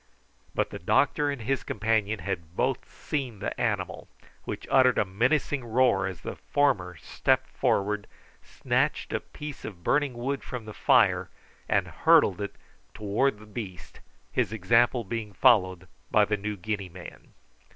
But the doctor and his companion had both seen the animal, which uttered a menacing roar as the former stepped forward, snatched a piece of burning wood from the fire, and hurled it towards the beast, his example being followed by the New Guinea man.